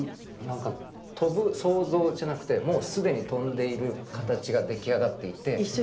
何か飛ぶ想像じゃなくてもう既に飛んでいる形が出来上がっていて。